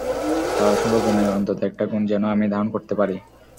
তাঁর অসংখ্য গুণের অন্তত একটা গুণ যেন আমি ধারণ করতে পারি।